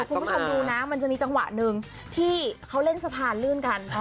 คุณผู้ชมดูนะมันจะมีจังหวะหนึ่งที่เขาเล่นสะพานลื่นกัน